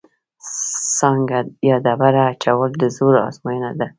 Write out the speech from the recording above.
سانګه یا ډبره اچول د زور ازموینه ده.